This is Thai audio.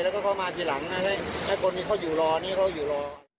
แล้วก็เขามาทีหลังให้คนที่เขาอยู่รอนี่เขาอยู่รอ